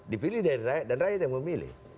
dipilih dari rakyat dan rakyat yang memilih